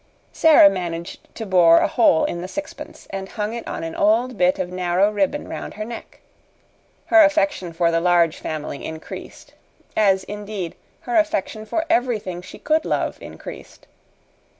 Sara managed to bore a hole in the sixpence and hung it on an old bit of narrow ribbon round her neck. Her affection for the Large Family increased as, indeed, her affection for everything she could love increased.